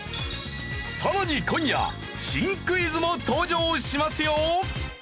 さらに今夜新クイズも登場しますよ！